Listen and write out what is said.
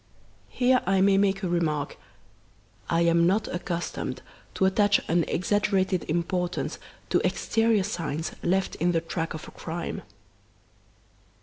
Here I may make a remark, I am not accustomed to attach an exaggerated importance to exterior signs left in the track of a crime.